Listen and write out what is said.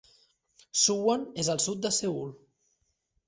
Suwon és al sud de Seül.